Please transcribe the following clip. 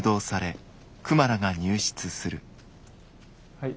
はい。